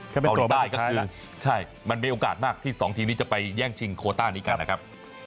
เกาหลีใต้ก็คือใช่มันมีโอกาสมากที่สองทีมนี้จะไปแย่งชิงโคต้านี้กันนะครับ